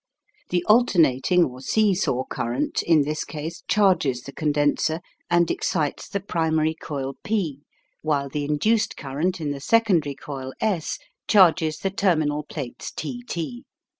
The alternating or see saw current in this case charges the condenser and excites the primary coil P, while the induced current in the secondary coil 5 charges the terminal plates T T.